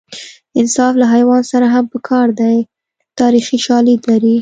انصاف له حیوان سره هم په کار دی تاریخي شالید لري